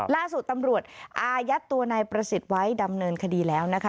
ล่าสุดตำรวจอายัดตัวนายประสิทธิ์ไว้ดำเนินคดีแล้วนะคะ